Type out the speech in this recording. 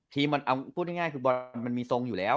พีมมันมีทีมช่องอยู่แล้ว